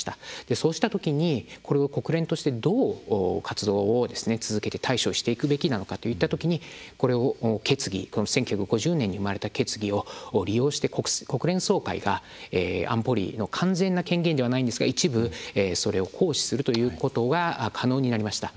そうした時に、これは国連としてどう活動を続けて対処していくべきなのかといった時に１９５０年に生まれた決議を利用して、国連総会が安保理の完全な権限ではないんですが一部それを行使するということが可能になりました。